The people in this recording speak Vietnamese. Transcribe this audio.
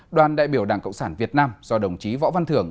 đoàn đại biểu đảng cộng sản việt nam do đồng chí võ văn thưởng